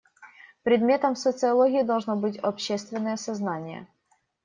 Предметом социологии должно быть общественное сознание.